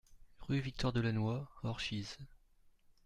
Rue Victor Delannoy, Orchies